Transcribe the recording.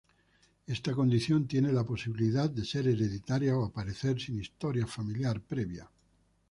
Esta condición tiene la posibilidad de ser hereditaria o aparecer sin historia familiar previa.